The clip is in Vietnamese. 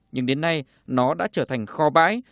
nhưng đến nay nó đã trở thành kho bãi